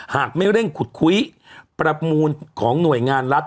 หากไม่เร่งขุดคุยประมูลของหน่วยงานรัฐ